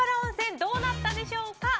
どうなったでしょうか。